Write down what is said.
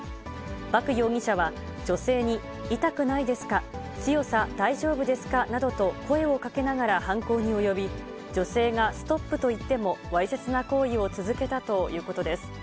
麦容疑者は、女性に痛くないですか、強さ大丈夫ですかなどと声をかけながら犯行に及び、女性がストップと言っても、わいせつな行為を続けたということです。